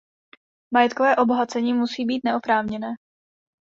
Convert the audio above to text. Majetkové obohacení musí být neoprávněné.